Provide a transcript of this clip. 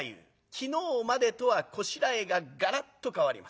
昨日までとはこしらえががらっと変わります。